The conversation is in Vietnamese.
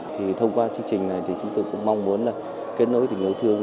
thì thông qua chương trình này thì chúng tôi cũng mong muốn là kết nối tình yêu thương